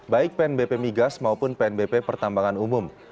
baik pnbp migas maupun pnbp pertambangan umum